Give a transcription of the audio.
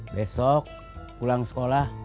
besok pulang sekolah